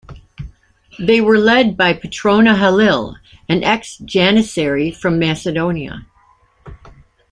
They were led by Patrona Halil, an ex-Janissary from Macedonia.